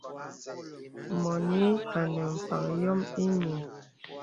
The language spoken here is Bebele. Mɔnì anə mpaŋ yòm ìyiŋ.